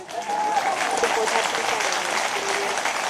季后他签下两年新约。